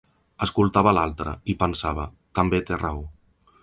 Escoltava l’altra, i pensava: també té raó.